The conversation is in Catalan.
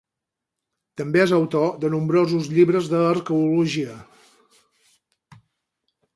També és autor de nombrosos llibres d'arqueologia.